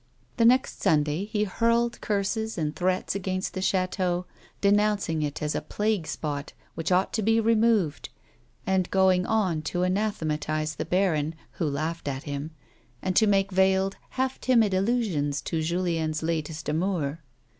The next Sunday he hurled curses and threats against the chateau, denouncing it as a plagae spot which ought to be removed, and going on to anathematize the baron (who laughed at him) and to make veiled, half timid allusions to Julien's latest amour.